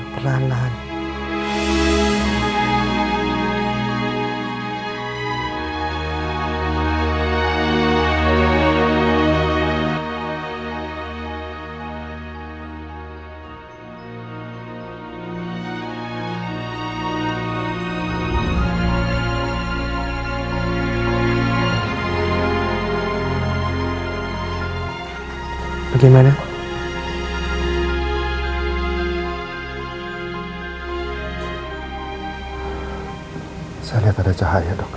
pardesan imkan rambut yah